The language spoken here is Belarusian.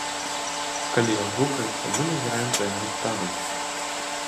Калі ён рухаецца, мы назіраем за яго станам.